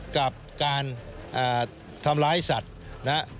กับการทำร้ายสัตว์นะครับ